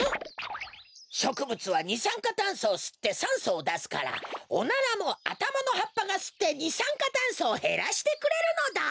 しょくぶつはにさんかたんそをすってさんそをだすからおならもあたまのはっぱがすってにさんかたんそをへらしてくれるのだ。